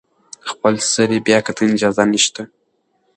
د خپلسرې بیاکتنې اجازه نشته.